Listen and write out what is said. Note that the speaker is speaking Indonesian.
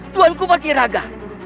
tuan pak tiraga